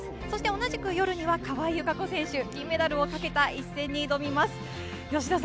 同じく夜には川井友香子選手、金メダルをかけた一戦に挑みます。